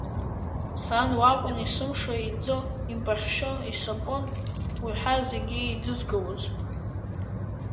Сан лакәын есымша, иӡы, импахьшьы, исапын уҳәа зегьы идызгалоз.